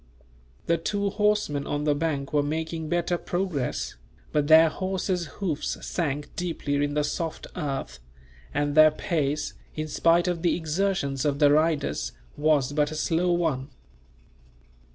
The two horsemen on the bank were making better progress, but their horses' hoofs sank deeply in the soft earth; and their pace, in spite of the exertions of the riders, was but a slow one.